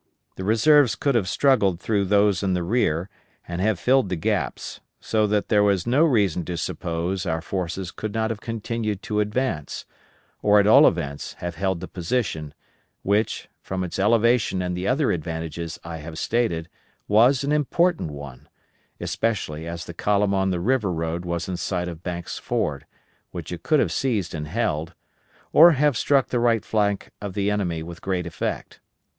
The reserves could have struggled through those in the rear, and have filled the gaps, so that there is no reason to suppose our forces could have not continued to advance, or at all events have held the position, which, from its elevation and the other advantages I have stated, was an important one, especially as the column on the river road was in sight of Banks' Ford, which it could have seized and held, or have struck the right flank of the enemy with great effect.